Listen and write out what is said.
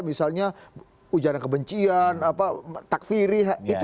misalnya ujara kebencian takfiri